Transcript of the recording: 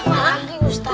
ah maang ustad